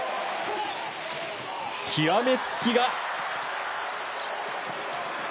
極め付きが。